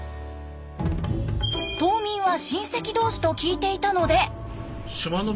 島民は親戚同士と聞いていたので。